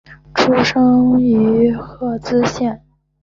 出身于滋贺县。